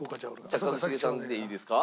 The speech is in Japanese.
じゃあ一茂さんでいいですか？